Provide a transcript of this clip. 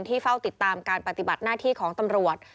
เฝ้าติดตามการปฏิบัติหน้าที่ของตำรวจ